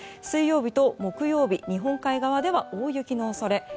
水曜日と木曜日日本海側では大雪の恐れ。